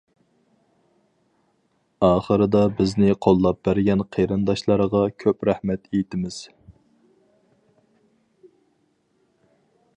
ئاخىرىدا بىزنى قوللاپ بەرگەن قېرىنداشلارغا كۆپ رەھمەت ئېيتىمىز.